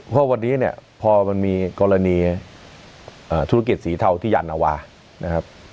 เพราะวันนี้เนี่ยพอมันมีกรณีธุรกิจสีเทาที่ยานวานะครับ